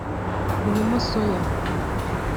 birimo soya